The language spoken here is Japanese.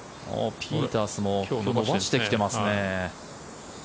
ピータースも今日伸ばしてきていますね。